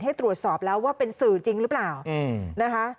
ให้ตรวจสอบแล้วว่าเป็นสื่อจริงหรือเปล่านะคะ